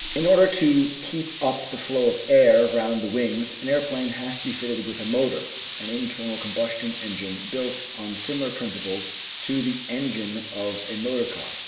In order to keep up the flow of air round the wings an aeroplane has to be fitted with a motor, an internal com bustion engine built on similar principles to the engine of a motor car.